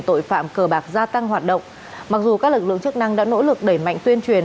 tội phạm cờ bạc gia tăng hoạt động mặc dù các lực lượng chức năng đã nỗ lực đẩy mạnh tuyên truyền